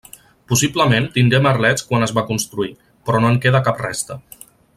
Possiblement tingué merlets quan es va construir, però no en queda cap resta.